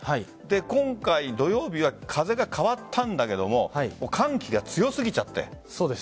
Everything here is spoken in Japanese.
今回、土曜日は風が変わったんだけど寒気が強すぎちゃって。